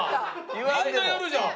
みんなやるじゃん！